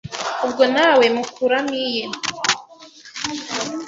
ubwo nawe mukuramo iye